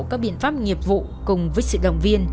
các biện pháp nghiệp vụ cùng với sự động viên